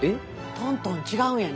トントン違うんやね。